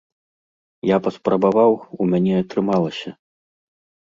Я паспрабаваў, у мяне атрымалася.